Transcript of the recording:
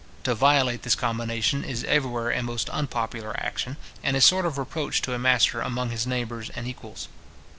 To violate this combination is everywhere a most unpopular action, and a sort of reproach to a master among his neighbours and equals.